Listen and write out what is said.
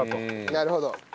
なるほど。